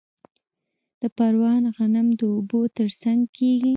د پروان غنم د اوبو ترڅنګ کیږي.